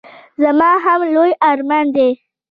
زما هم لوی ارمان دی.